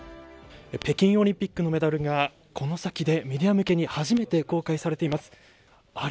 北京オリンピックのメダルがこの先、メディア向けに初めて公開されています。